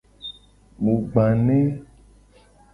Mu gba ne.